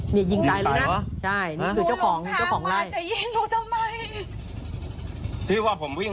มีแต่ตัวตักกี้นะปืนตัวในมือผมยิง